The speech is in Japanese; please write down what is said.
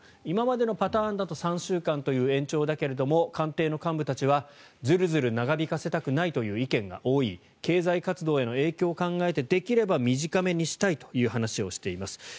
今までのパターンだと３週間という延長だけれども官邸の幹部たちはずるずる長引かせたくないという意見が多い経済活動への影響を考えてできれば短めにしたいという話をしています。